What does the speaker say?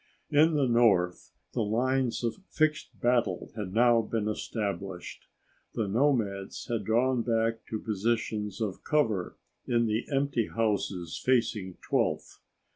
In the north, the lines of fixed battle had now been established. The nomads had drawn back to positions of cover in the empty houses facing 12th.